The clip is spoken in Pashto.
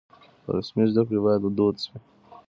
رسمي زده کړې بايد دود شي.